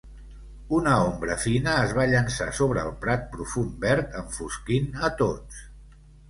Una ombra fina es va llançar sobre el Prat profund verd, enfosquint a tots.